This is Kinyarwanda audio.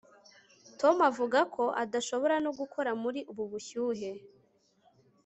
tom avuga ko adashobora no gukora muri ubu bushyuhe